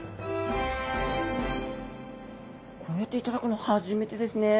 こうやって頂くの初めてですね。